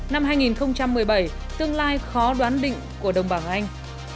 năm hai nghìn một mươi bảy tương lai khó đoán định của đồng bằng anh